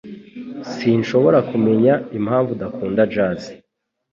Sinshobora kumenya impamvu udakunda jazz